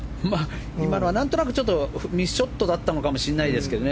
何となくミスショットだったのかもしれないですけどね。